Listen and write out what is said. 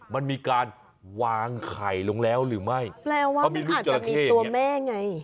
มันมีการวางไข่ลงแล้วหรือไม่แปลว่าเขามีลูกจราเข้ตัวแม่ไง